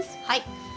はい。